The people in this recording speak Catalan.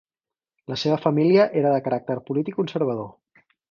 La seva família era de caràcter polític conservador.